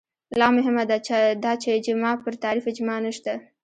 لا مهمه دا چې اجماع پر تعریف اجماع نشته